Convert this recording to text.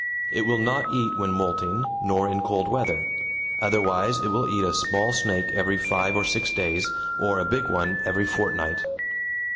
It will not eat when moulting, nor in cold weather. Otherwise it will eat a small snake every five or six days, or a big one every fortnight.